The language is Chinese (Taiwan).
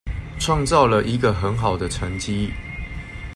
創造了一個很好的成績